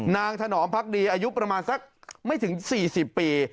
ถนอมพักดีอายุประมาณสักไม่ถึง๔๐ปี